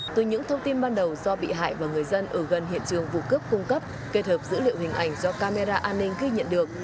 từ những thông tin ban đầu do bị hại và người dân ở gần hiện trường vụ cướp cung cấp kết hợp dữ liệu hình ảnh do camera an ninh ghi nhận được